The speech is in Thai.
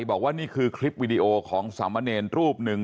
บอกว่านี่คือคลิปวิดีโอของสามเณรรูปหนึ่ง